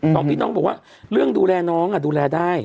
สองพี่น้องบอกว่าเรื่องดูแลน้องดูแลได้